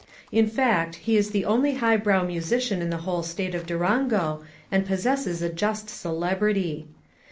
In fact, he is the only high brow musician in the whole State of Durango, and possesses a just celebrity.